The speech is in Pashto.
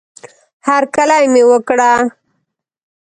هرکلی مې وکړه